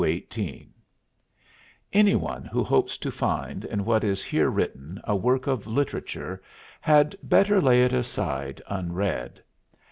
218 Any one who hopes to find in what is here written a work of literature had better lay it aside unread.